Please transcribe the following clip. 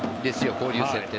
交流戦って。